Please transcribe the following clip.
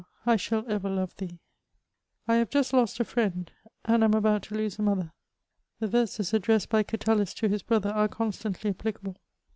I shall ever love thee !" I HAVE just lost a fnend, and am about to lose a mother : the verses addressed by Catullus to his brother are constantly applicable.